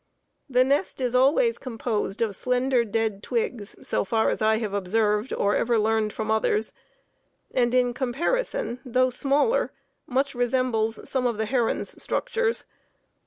The nest is always composed of slender dead twigs, so far as I have observed, or ever learned from others, and in comparison, though smaller, much resembles some of the heron's structures.